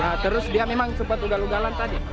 nah terus dia memang sempat ugal ugalan tadi